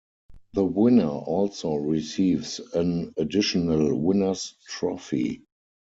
The winner also receives an additional winner's trophy.